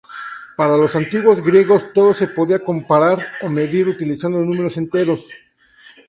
Para los antiguos griegos todo se podía comparar o medir utilizando números enteros.